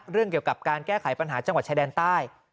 เรื่องเกี่ยวกับการแก้ไขปัญหาจังหวัดชายแดนใต้